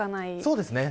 そうですね。